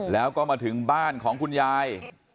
แล้วก็มาถึงบ้านของคุณยาย